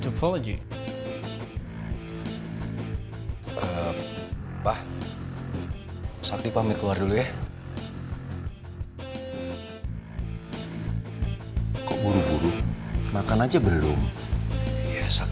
tuh tuh tuh ayo udah nungguin ya